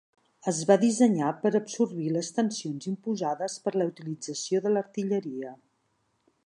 Es va dissenyar per absorbir les tensions imposades per la utilització de l'artilleria.